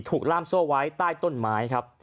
ล่ามโซ่ไว้ใต้ต้นไม้ครับ